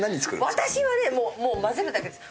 私はねもう混ぜるだけです。